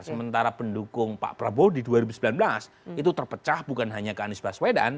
sementara pendukung pak prabowo di dua ribu sembilan belas itu terpecah bukan hanya ke anies baswedan